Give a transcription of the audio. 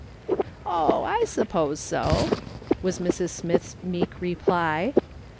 " Oh, I suppose so," was Mrs. Smith's meek reply.